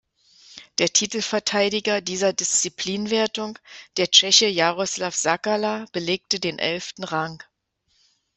Der Titelverteidiger dieser Disziplinwertung, der Tscheche Jaroslav Sakala, belegte den elften Rang.